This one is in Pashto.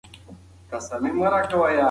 ورور مې په لوړ غږ د موټر چلوونکي ته ناره کړه.